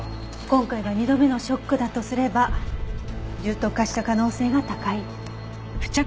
今回が２度目のショックだとすれば重篤化した可能性が高い。